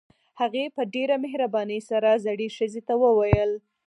هغې په ډېره مهربانۍ سره زړې ښځې ته وويل.